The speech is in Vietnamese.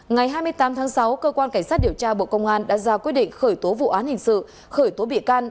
ngày hai mươi tám tháng sáu cơ quan cảnh sát điều tra bộ công an đã ra quyết định khởi tố vụ án hình sự khởi tố bị can